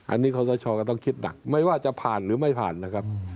อันนี้ขอสชก็ต้องคิดหนักไม่ว่าจะผ่านหรือไม่ผ่านนะครับ